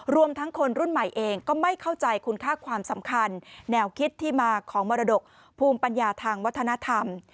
รวมทั้งคนรุ่นใหม่เองก็ไม่เข้าใจคุณค่าความสำคัญแนวคิดที่มาของมรดกภูมิปัญญาทางวัฒนธรรม